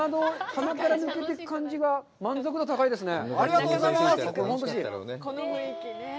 鼻から抜けていく感じが満足度、高いですね。